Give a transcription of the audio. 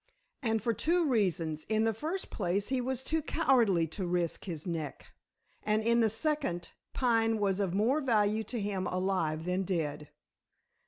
And for two reasons: in the first place he was too cowardly to risk his neck; and in the second Pine was of more value to him alive than dead.